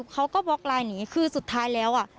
เขาก็บล็อกไลน์อย่างนี้คือสุดท้ายแล้ว